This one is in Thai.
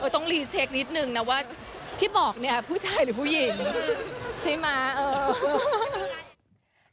ต้องรีเช็คนิดนึงนะว่าที่บอกเนี่ยผู้ชายหรือผู้หญิงใช่ไหม